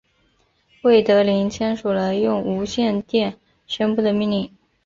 魏德林签署了用无线电宣布的命令。